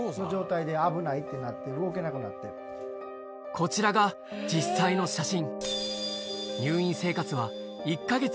こちらが実際の写真